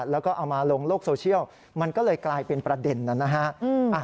แล้วก็เอามาลงโลกโซเชียลมันก็เลยกลายเป็นประเด็นนั้นนะฮะ